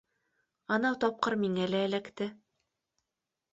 Анау тапҡыр миңә лә эләкте.